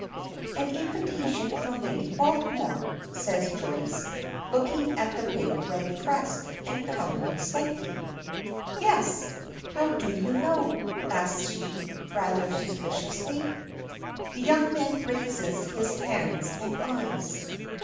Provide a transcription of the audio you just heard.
"An invitation from Lady Baltimore," says Joyce, looking at the big red crest, and coloring slightly. "Yes." "How do you know?" asks she, rather suspiciously. The young man raises his hands and eyes.